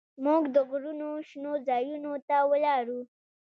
موږ د غرونو شنو ځايونو ته ولاړو.